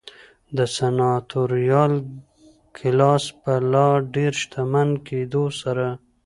د سناتوریال کلاس په لا ډېر شتمن کېدو سره.